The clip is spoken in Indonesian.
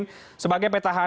kalau begitu pak benyamin